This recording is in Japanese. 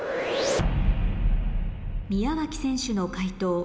宮脇選手の解答